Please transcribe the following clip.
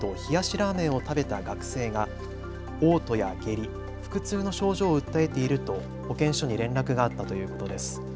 ラーメンを食べた学生がおう吐や下痢、腹痛の症状を訴えていると保健所に連絡があったということです。